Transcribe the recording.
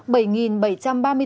bảy bảy trăm ba mươi bốn lượt người